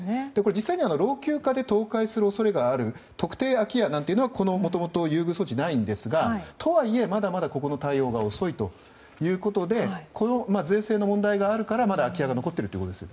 実際には老朽化で倒壊する恐れがある特定空き家は、もともと優遇措置はないんですがとはいえまだまだここの対応が遅いということで税制の問題があるからまだ空き家が残っているんです。